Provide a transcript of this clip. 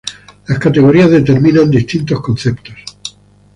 Las categorías determinan distintos conceptos.